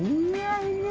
うめえ！